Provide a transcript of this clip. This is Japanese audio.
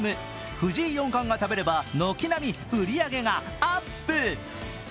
藤井四冠が食べれば、軒並み売り上げがアップ。